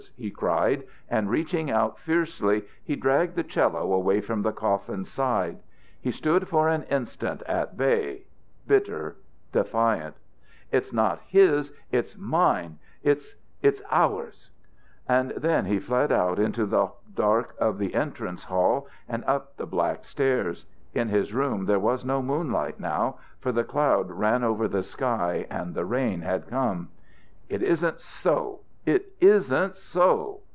he cried. And reaching out fiercely he dragged the 'cello away from the coffin's side. He stood for an instant at bay, bitter, defiant. "It's not his! It's mine! It's it's ours!" And then he fled out into the dark of the entrance hall and up the black stairs. In his room there was no moonlight now, for the cloud ran over the sky and the rain had come. "It isn't so, it isn't so!"